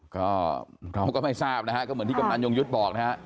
ก็เราก็ไม่ทราบนะฮะก็เหมือนที่กำนันยงยุทธ์บอกนะฮะ